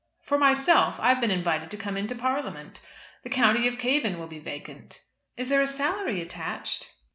"For myself, I have been invited to come into Parliament. The County of Cavan will be vacant." "Is there a salary attached?"